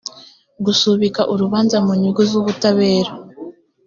gusubika urubanza mu nyungu z’ubutabera